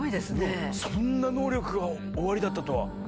そんな能力がおありだったとは。